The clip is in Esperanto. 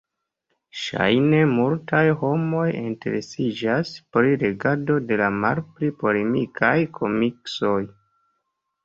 Ŝajne multaj homoj interesiĝas pri legado de la malpli polemikaj komiksoj.